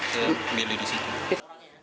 saya milih di situ